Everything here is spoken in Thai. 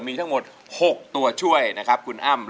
มีทั้งหมด๖ตัวช่วยนะครับคุณอ้ำ